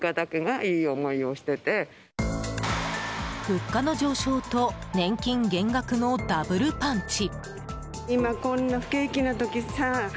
物価の上昇と年金減額のダブルパンチ。